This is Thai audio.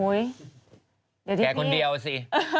เดี๋ยวที่ผู้หญิงแกคนเดียวอ่ะสิ